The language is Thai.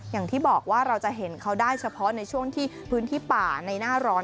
อย่างที่บอกว่าเราจะเห็นเขาได้เฉพาะในช่วงที่พื้นที่ป่าในหน้าร้อน